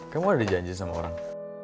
kamu ada janji sama orang